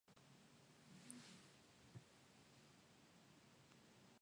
北海道斜里町